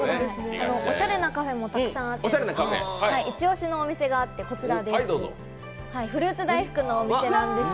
おしゃれなカフェもたくさんあって、イチ押しのお店があって、こちらです。